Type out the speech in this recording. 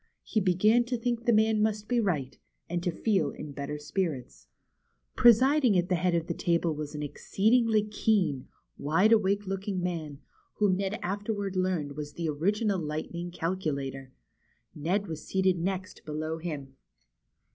He began to think the man must be right, and to feel in better spirits. BEHIND THE WARDROBE. 73 Presiding at the head of the table was an exceedingly keen, wide awake looking man, whom Ned afterward learned was the Original Lightning Calculator. Ned was seated next below him.